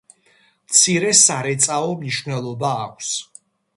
მცირე სარეწაო მნიშვნელობა აქვს.